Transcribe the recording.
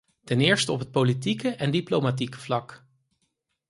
Ten eerste op het politieke en diplomatieke vlak.